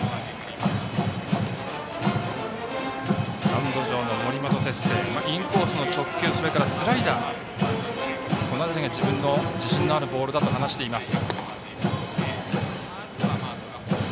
マウンド上の森本哲星はインコースの直球それからスライダーが自信のあるボールと話しています。